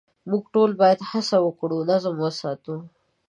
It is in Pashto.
موږ ټول باید هڅه وکړو نظم وساتو.